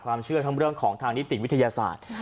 ความเชื่อทั้งเรื่องของทางนิติวิทยาศาสตร์